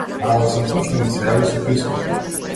Радосен сум што ми се јави со писмо.